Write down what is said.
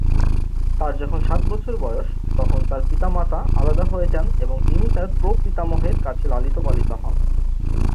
তার যখন সাত বছর বয়স, তখন তার পিতামাতা আলাদা হয়ে যান এবং তিনি তার প্র-পিতামহের কাছে লালিত পালিত হন।